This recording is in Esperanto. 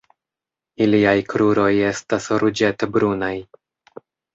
Iliaj kruroj estas ruĝet-brunaj.